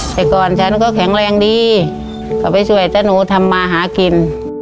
แต่ก่อนฉันก็แข็งแรงดีเขาไปช่วยแต่หนูทำมาหากิน